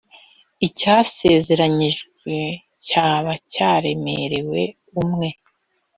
icyasezeranyijwe cyaba cyaremerewe umwe